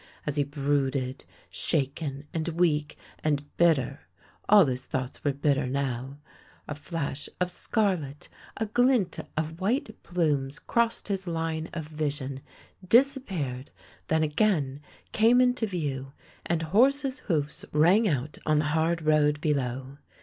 As he brooded, shaken and weak and bitter — all his thoughts were bitter now — a flash of scarlet, a glint of white plumes crossed his line of vision, disappeared, then again came into view, and horses' hoofs rang out on the hard road below.